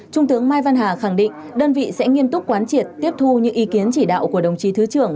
trung tướng mai văn hà khẳng định đơn vị sẽ nghiêm túc quán triệt tiếp thu những ý kiến chỉ đạo của đồng chí thứ trưởng